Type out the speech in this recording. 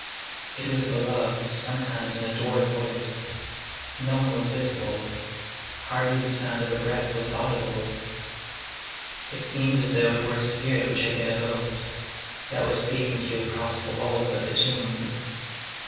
It was a beloved, sometimes an adored, voice. No one was visible. Hardly the sound of a breath was audible. It seemed as though it were a spirit which had been evoked, that was speaking to you across the walls of the tomb.